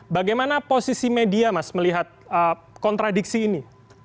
bagaimana posisi media mas melihat kontradiksi ini